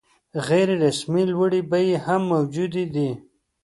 غیر رسمي لوړې بیې هم موجودې دي.